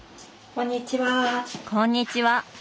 こんにちは。